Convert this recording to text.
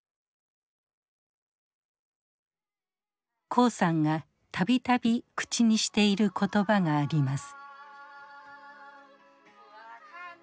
黄さんが度々口にしている言葉があります。